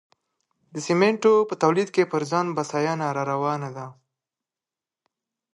د سمنټو په تولید کې پر ځان بسیاینه راروانه ده.